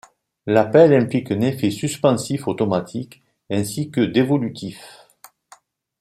L'appel implique un effet suspensif automatique, ainsi que dévolutif.